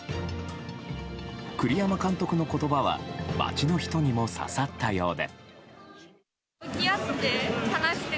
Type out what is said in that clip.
栗山監督の言葉は街の人にも刺さったようで。